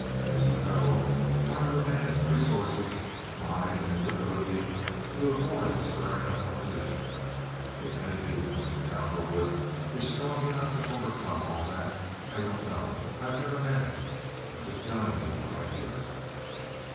"As you know, part of a man's resources lies in his ability to avoid stirring up opposition. It may be that Mr. Cowperwood is strong enough to overcome all that. I don't know. I've never met him. I'm just telling you what I hear."